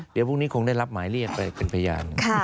เดี๋ยวพรุ่งนี้คงได้รับหมายเรียกไปเป็นพยาน